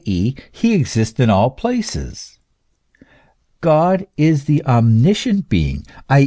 e., he exists in all places ; God is the omniscient being, i.